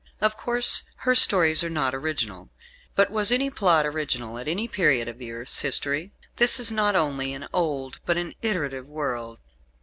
Of course her stories are not original; but was any plot original at any period of the earth's history? This is not only an old, but an iterative world.